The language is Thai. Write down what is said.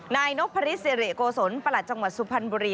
นายนพริตสิริโกศลประหลัดจังหวัดสุพรรณบุรี